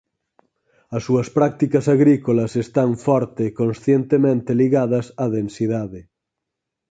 As súas prácticas agrícolas están forte e conscientemente ligadas á densidade.